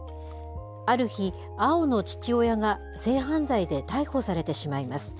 ある日、碧の父親が、性犯罪で逮捕されてしまいます。